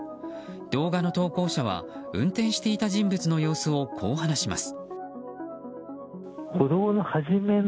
動画の投稿者は運転していた人物の様子をこう話します。